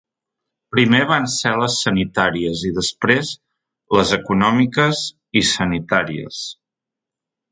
Primer van ser les sanitàries i després, les econòmiques… i sanitàries.